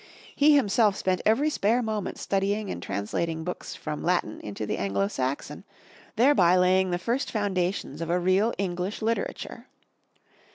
He himself spent every spare moment studying and translating books from Latin into the Anglo Saxon, thereby laying the first founda tions of a real English literature.